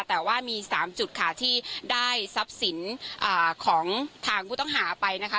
แต่ว่ามี๓จุดค่ะที่ได้ทรัพย์สินของทางผู้ต้องหาไปนะคะ